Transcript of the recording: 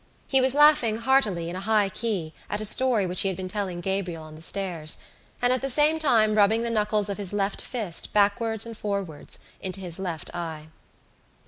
He was laughing heartily in a high key at a story which he had been telling Gabriel on the stairs and at the same time rubbing the knuckles of his left fist backwards and forwards into his left eye.